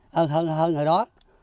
hơn người đó